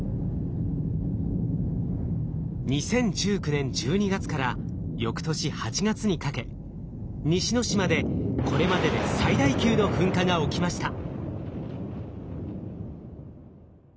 ２０１９年１２月から翌年８月にかけ西之島でこれまでで最大級の噴火が起きました。